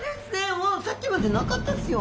もうさっきまでなかったですよ。